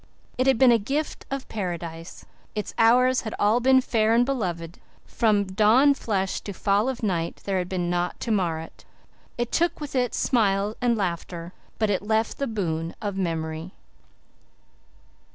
It had been a gift of Paradise. Its hours had all been fair and beloved. From dawn flush to fall of night there had been naught to mar it. It took with it its smiles and laughter. But it left the boon of memory.